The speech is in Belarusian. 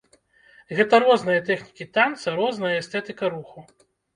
Гэта розныя тэхнікі танца, розная эстэтыка руху.